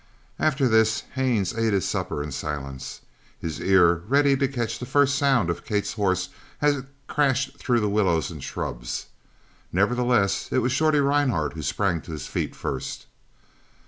After this Haines ate his supper in silence, his ear ready to catch the first sound of Kate's horse as it crashed through the willows and shrubs. Nevertheless it was Shorty Rhinehart who sprang to his feet first.